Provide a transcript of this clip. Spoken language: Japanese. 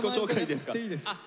いいですか。